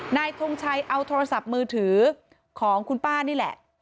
ทงชัยเอาโทรศัพท์มือถือของคุณป้านี่แหละ